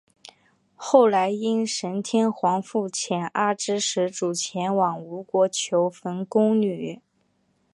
后来应神天皇复遣阿知使主前往吴国求缝工女。